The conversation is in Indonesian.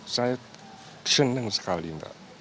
saya senang sekali mbak